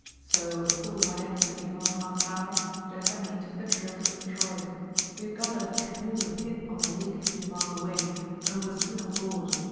So, afore the Miamis had been gone half an hour, Jack and me took the trail for Detroit. We had got a canoe hid on the lake a few miles away, and we was soon on board.